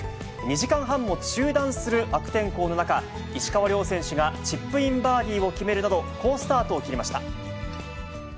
２時間半も中断する悪天候の中、石川遼選手がチップインバーディーを決めるなど、好スタートを切りました。